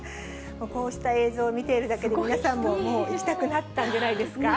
こうした映像を見ているだけで、皆さんももう行きたくなったんじゃないですか？